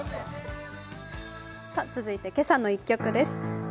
続いて「けさの１曲」です。